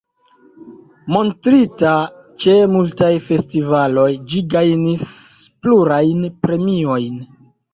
Montrita ĉe multaj festivaloj ĝi gajnis plurajn premiojn.